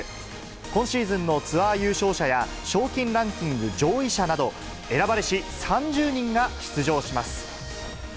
今シーズンのツアー優勝者や、賞金ランキング上位者など、選ばれし３０人が出場します。